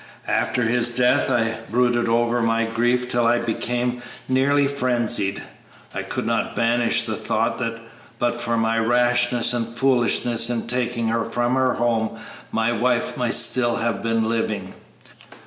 "After his death I brooded over my grief till I became nearly frenzied. I could not banish the thought that but for my rashness and foolishness in taking her from her home my wife might still have been living.